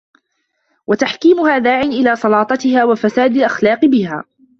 وَتَحْكِيمُهَا دَاعٍ إلَى سَلَاطَتِهَا وَفَسَادِ الْأَخْلَاقِ بِهَا